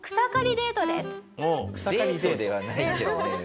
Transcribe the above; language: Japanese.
デートではないけどね。